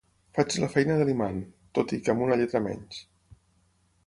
Faig la feina de l'imant, tot i que amb una lletra menys.